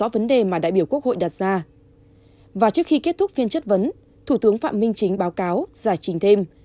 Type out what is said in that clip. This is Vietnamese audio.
trước khi kết thúc phiên chất vấn thủ tướng phạm minh chính báo cáo giải trình thêm